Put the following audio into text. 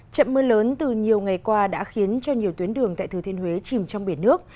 chậm mưa lớn từ nhiều ngày qua đã khiến cho nhiều tuyến đường tại thừa thiên huế chìm trong biển nước